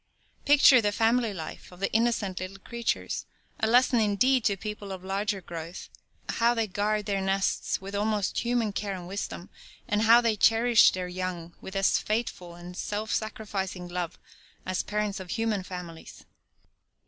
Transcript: Picture the family life of the innocent little creatures a lesson indeed to people of larger growth; how they guard their nests with almost human care and wisdom, and how they cherish their young with as faithful and self sacrificing love as parents of human families.